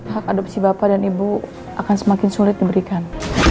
hak adopsi bapak dan ibu akan semakin sulit diberikan